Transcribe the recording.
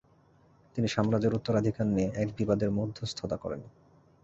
তিনি সাম্রাজ্যের উত্তরাধিকার নিয়ে এক বিবাদের মধ্যস্থতা করেন।